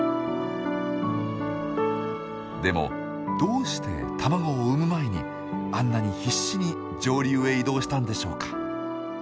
でもどうして卵を産む前にあんなに必死に上流へ移動したんでしょうか？